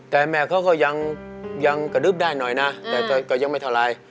แต่แม่เขาก็ยังกระดึ๊บได้หน่อยนะแต่ก็ยังไม่เท่าไร